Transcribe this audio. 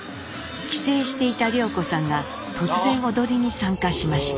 帰省していた涼子さんが突然踊りに参加しました。